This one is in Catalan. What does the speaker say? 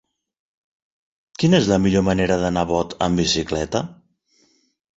Quina és la millor manera d'anar a Bot amb bicicleta?